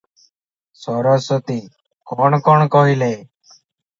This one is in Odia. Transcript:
ସରସ୍ୱତୀ - କଣ-କଣ କହିଲେ?